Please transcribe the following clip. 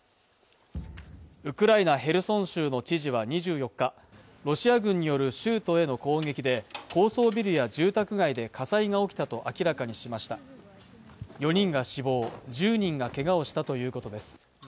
ウクライナ・ヘルソン州の知事は２４日ロシア軍による州都への攻撃で高層ビルや住宅街で火災が起きたと明らかにしました４人が死亡１０人がけがをしたということです